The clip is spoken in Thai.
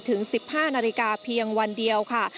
ถึง๑๕นาฬิกาเพียงวันเดียวค่ะ